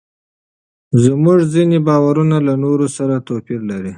زموږ ځینې باورونه له نورو سره توپیر لري.